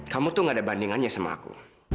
kamu tuh gak ada bandingannya sama aku